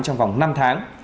trong vòng năm tháng